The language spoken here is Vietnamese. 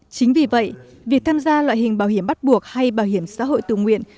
chính vì vậy việc tham gia loại hình bảo hiểm bắt buộc hay bảo hiểm xã hội tự nguyện